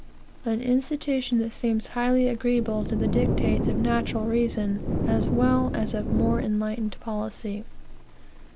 An institution that seems highly agreeable to the dictates of natural reason, as well as of more enlightened policy.